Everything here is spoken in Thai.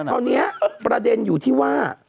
แต่ตอนเนี้ยประเด็นอยู่ที่ว่า